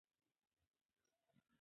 زموږ په کلي کې د غنمو لو پیل شوی دی.